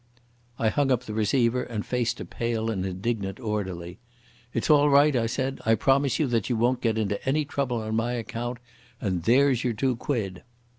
I hung up the receiver and faced a pale and indignant orderly. "It's all right," I said. "I promise you that you won't get into any trouble on my account. And there's your two quid."